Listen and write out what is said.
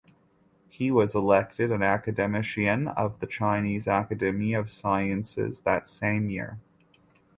He was elected an academician of the Chinese Academy of Sciences that same year.